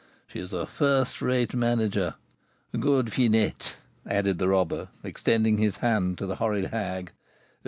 She is a first rate manager. Good Finette!" added the robber, extending his hand to the horrid hag.